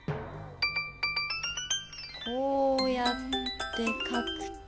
こうやってかくと。